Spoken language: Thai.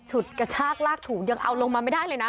ฉุดกระชากลากถูกยังเอาลงมาไม่ได้เลยนะ